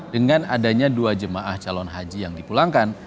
dengan adanya dua jemaah calon haji yang dipulangkan